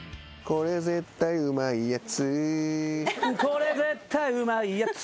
「これ絶対うまいやつこれ絶対うまいやつ」